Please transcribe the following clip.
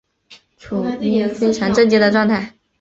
处於非常震惊的状态